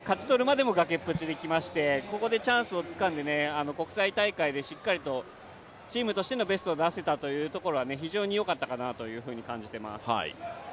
世界リレーに出場するところも崖っぷちでまたそこから出場を勝ち取るまでも崖っぷちできましてここでチャンスをつかんで、国際大会でしっかりとチームとしてのベストを出せたところは非常によかったかなと感じています。